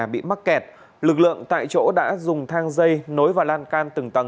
bị mắc kẹt lực lượng tại chỗ đã dùng thang dây nối và lan can từng tầng